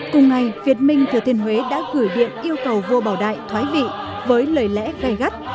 cùng ngày việt minh thừa thiên huế đã gửi điện yêu cầu vua bảo đại thoái vị với lời lẽ gai gắt